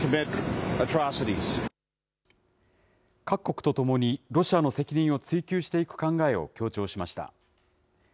各国とともにロシアの責任を追及していく考えを強調しました。